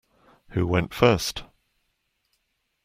Who went first?